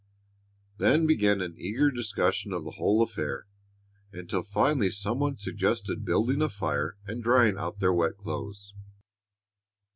Then began an eager discussion of the whole affair, until finally some one suggested building a fire and drying out their wet clothes.